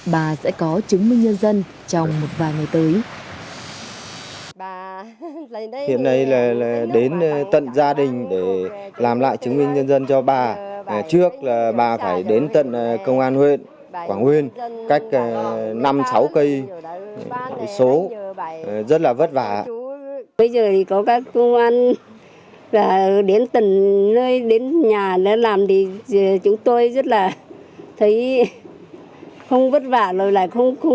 bà sẽ có chứng minh nhân dân trong một vài ngày tới